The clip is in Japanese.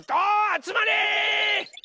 あつまれ！